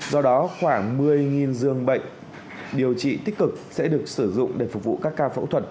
do đó khoảng một mươi dường bệnh điều trị tích cực sẽ được sử dụng để phục vụ các ca phẫu thuật